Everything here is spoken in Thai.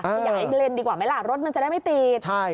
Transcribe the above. ใหญ่เรนดีกว่ามั้ยล่ะรถมันจะไม่ตีด